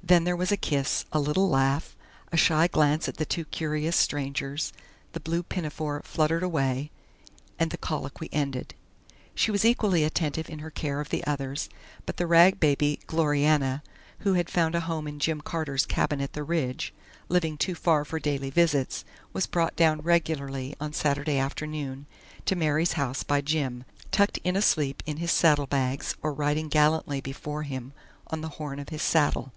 Then there was a kiss, a little laugh, a shy glance at the two curious strangers, the blue pinafore fluttered away, and the colloquy ended. She was equally attentive in her care of the others, but the rag baby "Gloriana," who had found a home in Jim Carter's cabin at the Ridge, living too far for daily visits, was brought down regularly on Saturday afternoon to Mary's house by Jim, tucked in asleep in his saddle bags or riding gallantly before him on the horn of his saddle.